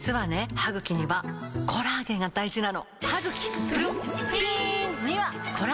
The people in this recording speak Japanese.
歯ぐきにはコラーゲンが大事なの！